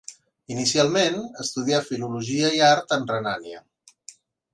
Inicialment, estudià Filologia i Art en Renània.